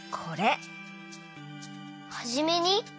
「はじめに」？